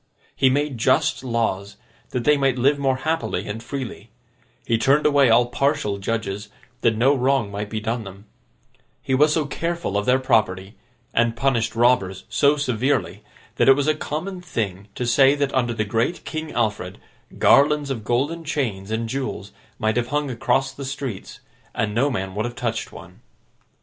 He made just laws, that they might live more happily and freely; he turned away all partial judges, that no wrong might be done them; he was so careful of their property, and punished robbers so severely, that it was a common thing to say that under the great King Alfred, garlands of golden chains and jewels might have hung across the streets, and no man would have touched one.